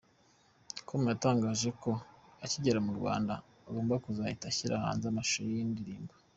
com yatangaje ko akigera mu Rwanda agomba kuzahita ashyira hanze amashusho y’iyi ndirimbo.